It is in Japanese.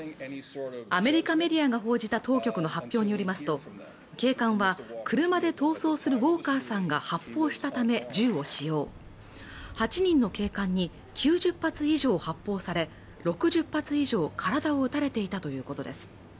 アメリカメディアが報じた当局の発表によりますと警官は車で逃走するウォーカーさんが発砲したため銃を使用８人の警官に９０発以上発砲され６０発以上体を打たれていたということです